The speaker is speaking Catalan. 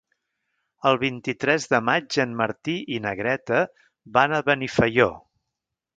El vint-i-tres de maig en Martí i na Greta van a Benifaió.